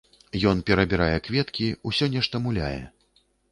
Ён перабірае кветкі, усё нешта муляе.